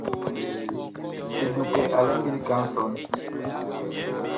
Edukɛ a lɛ ngili kɛ a nsɔn.